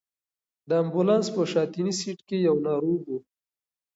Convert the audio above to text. د امبولانس په شاتني سېټ کې یو ناروغ و.